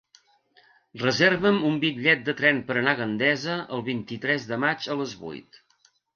Reserva'm un bitllet de tren per anar a Gandesa el vint-i-tres de maig a les vuit.